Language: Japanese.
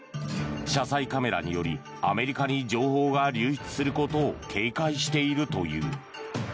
車載カメラによりアメリカに情報が流出することを警戒しているという。